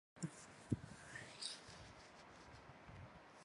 叉毛锯蕨为禾叶蕨科锯蕨属下的一个种。